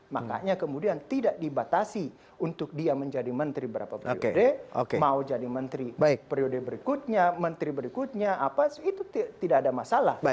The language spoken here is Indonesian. makanya kemudian tidak dibatasi untuk dia menjadi menteri berapa periode mau jadi menteri periode berikutnya menteri berikutnya apa itu tidak ada masalah